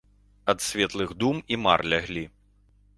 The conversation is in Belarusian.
Ад светлых дум і мар ляглі.